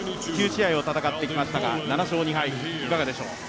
９試合を戦ってきましたが、７勝２敗、いかがでしょう。